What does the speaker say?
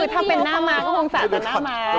ถ้าเป็นหน้าม้าก็พงสระต่าง